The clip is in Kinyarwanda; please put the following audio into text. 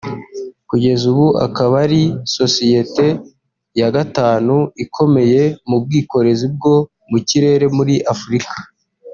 Kugeza ubu akaba ari sosiyete ya gatanu ikomeye mu bwikorezi bwo mu kirere muri Afurika